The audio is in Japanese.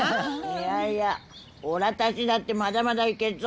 いやいやおらたちだってまだまだいけっぞ。